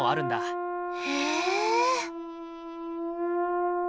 へえ。